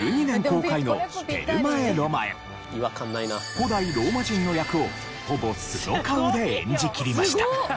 古代ローマ人の役をほぼ素の顔で演じきりました。